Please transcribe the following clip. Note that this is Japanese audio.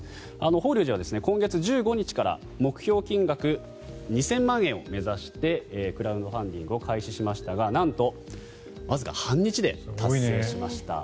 法隆寺は今月１５日から目標金額２０００万円を目指してクラウドファンディングを開始しましたがなんとわずか半日で達成しました。